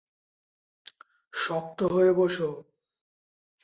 শক্ত হয়ে বসো!